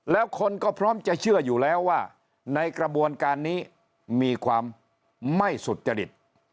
แล้วคนก็พร้อมจะเชื่ออยู่แล้วว่าในกระบวนการนี้มีความไม่สุจริต